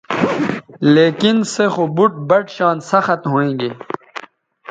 لیکن سے خو بُٹ بَٹ شان سخت ھوینگے